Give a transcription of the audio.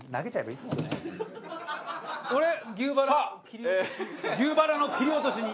俺牛バラ牛バラの切り落としに。